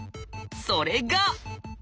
それが！